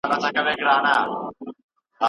د روښانه ویښ پردېس په خوا یې لاره